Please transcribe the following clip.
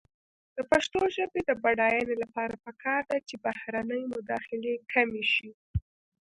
د پښتو ژبې د بډاینې لپاره پکار ده چې بهرنۍ مداخلې کمې شي.